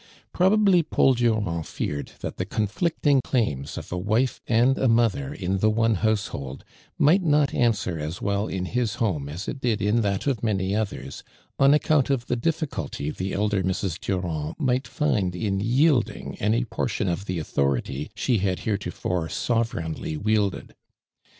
Probably Paul Durand feared that the conflicting claims of a wife and a mother in the one household might not answer as well in his home as it did in that of many others, on account of the difficulty the elder Mrs. Durand might find in yielding any portion of the authority she had here tofore sovereignly wielded.